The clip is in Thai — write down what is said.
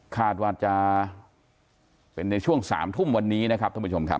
คาดว่าจะเป็นในช่วง๓ทุ่มวันนี้นะครับท่านผู้ชมครับ